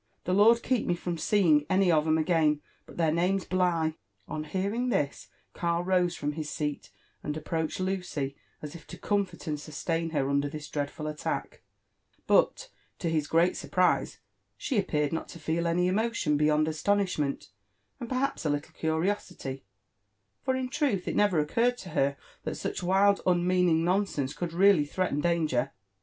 The Lord keep me from seeing any of 'em again 1 — but their name's Bligh." On hearing this, Karl rose from his seat, and approached Lucy as if to comfort and sustain her under this dreadful attack ; but to his great surprise she appeared not to feel any emotion beyond astonishment, and perhaps a litlle curiosity ; for in truth it never occurred to her that such wild, unmeaning nonsense could really threaten danger.